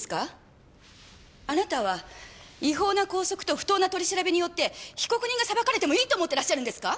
あなたは違法な拘束と不当な取り調べによって被告人が裁かれてもいいと思ってるんですか